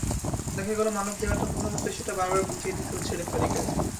দেখা গেল মানবদেয়ালটা কোথায় হবে সেটা বারবার বুঝিয়ে দিতে হচ্ছে রেফারিকে।